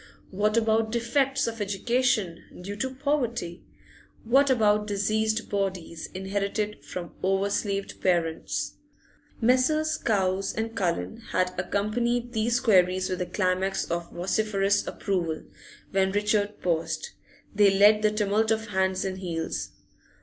What about defects of education, due to poverty? What about diseased bodies inherited from over slaved parents?' Messrs. Cowes and Cullen had accompanied these queries with a climax of vociferous approval; when Richard paused, they led the tumult of hands and heels.